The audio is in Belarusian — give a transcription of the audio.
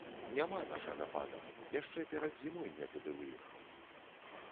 Няма нашага пана, яшчэ перад зімой некуды выехаў.